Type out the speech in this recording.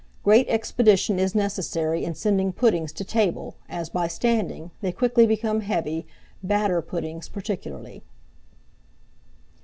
Great expedition is necessary in sending puddings to table, as, by standing, they quickly become heavy, batter puddings particularly.